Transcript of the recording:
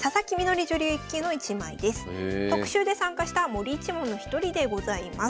特集で参加した森一門の一人でございます。